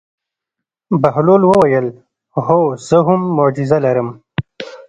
بهلول وویل: هو زه هم معجزه لرم.